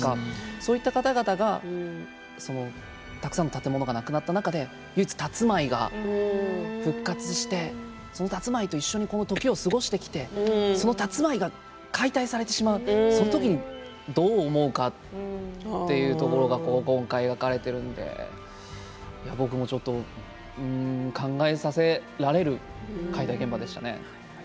そういう方々がたくさんの建物がなくなった中で唯一たつまいが復活してそのたつまいと一緒に時を過ごしてきてそのたつまいが解体されてしまう、その時にどう思うかというところが今回描かれているので僕も、ちょっと考えさせられる解体現場でしたね。